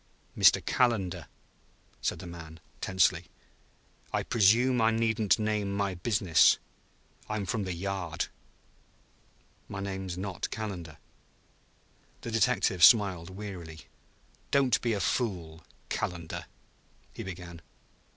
"Mr. Calendar?" said the man tensely. "I presume I needn't name my business. I'm from the Yard " "My name is not Calendar." The detective smiled wearily. "Don't be a fool, Calendar," he began.